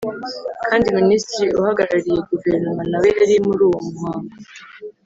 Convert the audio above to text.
kandi Minisitiri uhagarariye Guverinoma nawe yari muri uwo muhango